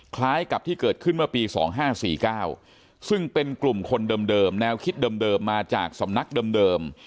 คล้ายกับที่เกิดขึ้นเมื่อปี๒๕๔๙ซึ่งเป็นกลุ่มคนเดิมแนวคิดเดิมมาจากสำนักเดิม